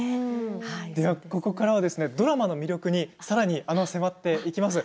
ここからはドラマの魅力にさらに迫っていきます。